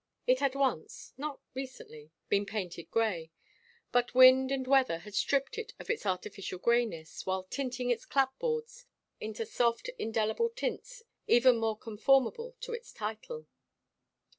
It had once not recently been painted grey, but wind and weather had stripped it of its artificial greyness while tinting its clapboards into soft, indelible tints even more conformable to its title.